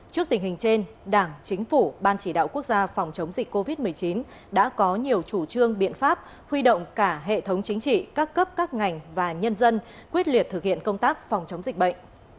trước tình hình trên đảng chính phủ ban chỉ đạo quốc gia phòng chống dịch covid một mươi chín đã có nhiều chủ trương biện pháp huy động cả hệ thống chính trị các cấp các ngành và nhân dân quyết liệt thực hiện công tác phòng chống dịch bệnh